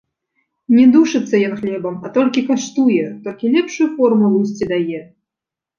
Не душыцца ён хлебам, а толькі каштуе, толькі лепшую форму лусце дае.